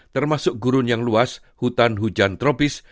termasuk gurun yang luas hutan hujan tropis